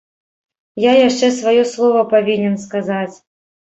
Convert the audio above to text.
Я яшчэ сваё слова павінен сказаць.